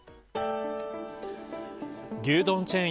牛どんチェーン